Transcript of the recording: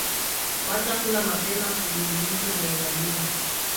Wacha kula mapema, kidudu mtu jiangalie.